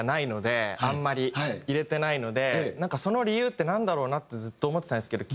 あんまり入れてないのでその理由ってなんだろうなってずっと思ってたんですけど